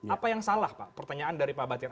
apa yang salah pak pertanyaan dari pak batir